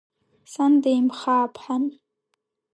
Сан Деимхааԥҳан…